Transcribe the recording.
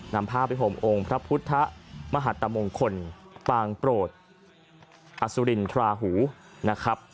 นำผ้าไปห่มองค์พระพุทธมหัตมงคลปางโปรดอสุรินทราหูนะครับ